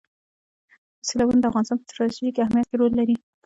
سیلابونه د افغانستان په ستراتیژیک اهمیت کې رول لري.